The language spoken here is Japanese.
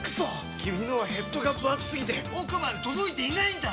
君のはヘッドがぶ厚すぎて奥まで届いていないんだっ！